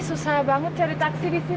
susah banget cari taksi di sini